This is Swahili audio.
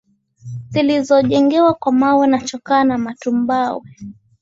zilizojengwa kwa mawe na chokaa na matumbawe